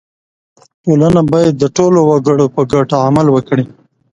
• ټولنه باید د ټولو وګړو په ګټه عمل وکړي.